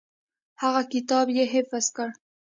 هغه کتاب یې حفظ کړ.